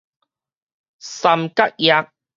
三角蛾